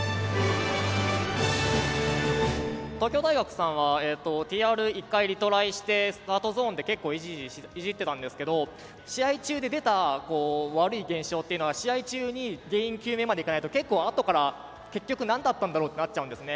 東京大学さんはＴＲ１回リトライしてスタートゾーンで結構いじってたんですけど試合中で出た悪い現象というのは試合中に原因究明までいかないと結構あとから結局何だったんだろうってなっちゃうんですね。